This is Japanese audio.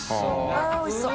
あっおいしそう。